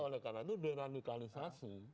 ya oleh karena itu radikalisasi